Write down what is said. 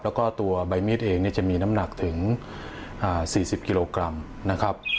แล้วก็ตัวใบมีดเองจะมีน้ำหนักถึง๔๐กิโลกรัมนะครับ